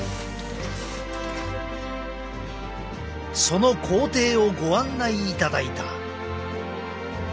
その工程をご案内いただいた。